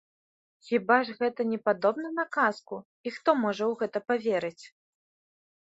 Хіба ж гэта не падобна на казку і хто можа ў гэта паверыць?